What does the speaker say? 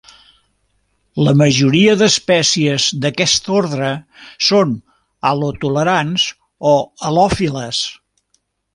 La majoria d'espècies d'aquest ordre són halotolerants o halòfiles.